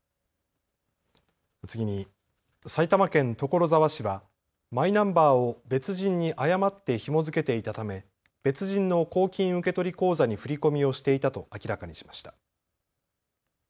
次に埼玉県所沢市はマイナンバーを別人に誤ってひも付けていたため、別人の公金受取口座に振り込みをしていたと明らかにしました。